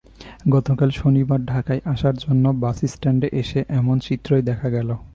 গতকাল শনিবার ঢাকায় আসার জন্য বাসস্ট্যান্ডে এসে এমন চিত্রই দেখা গেল।